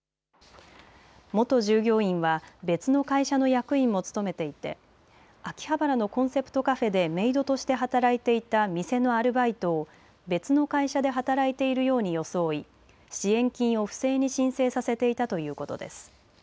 元従業員は別の会社の役員も務めていて秋葉原のコンセプトカフェでメイドとして働いていた店のアルバイトを別の会社で働いているように装い支援金を不正に申請させていたということです。